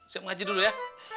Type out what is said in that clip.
siap ngaji dulu ya